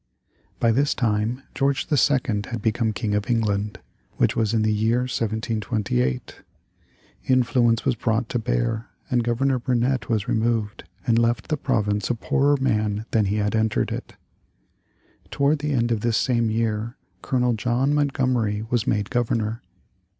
By this time George II. had become King of England, which was in the year 1728. Influence was brought to bear, and Governor Burnet was removed, and left the province a poorer man than he had entered it. Toward the end of this same year Colonel John Montgomery was made Governor.